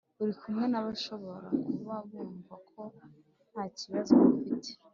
uri kumwe na bo Bashobora kuba bumva ko ntacyibazo bafite